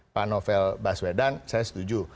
pak novel baswedan saya setuju